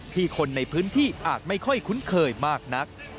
คนในพื้นที่อาจไม่ค่อยคุ้นเคยมากนัก